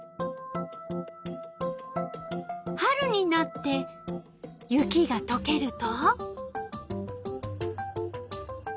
春になって雪がとけると？